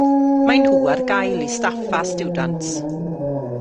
Mae nhw ar gael i staff a stiwdants.